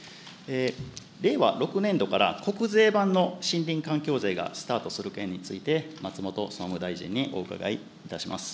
令和６年度から国税版の森林環境税がスタートする件について松本総務大臣にお伺いいたします。